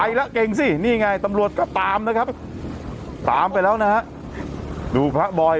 แล้วเก่งสินี่ไงตำรวจก็ตามนะครับตามไปแล้วนะฮะดูพระบอย